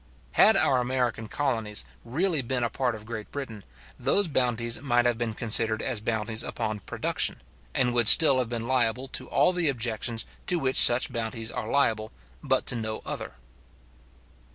Had our American colonies really been a part of Great Britain, those bounties might have been considered as bounties upon production, and would still have been liable to all the objections to which such bounties are liable, but to no other.